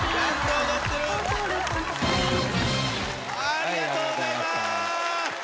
ありがとうございます。